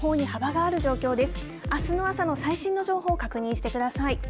あすの朝の最新の情報を確認してください。